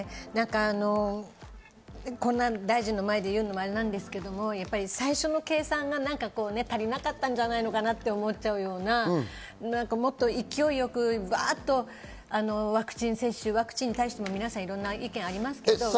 大臣の前で言うのもあれなんですけれど、最初の計算が足りなかったんじゃないのかなって思っちゃうような、もっと勢いよくワクチンに対しても皆さん、いろんな意見がありますけど。